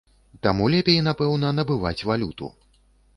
Таму лепей, напэўна, набываць валюту.